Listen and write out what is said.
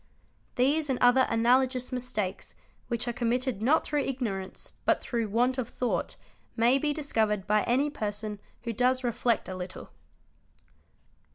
These : and other analogous mistakes, which are committed not through ignorance but through want of thought, may be discovered by any person who does reflect a little.